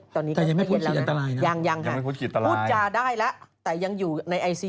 แต่ยังไม่พูดขีดอันตรายนะยังค่ะพูดจะได้แล้วแต่ยังอยู่ในไอซี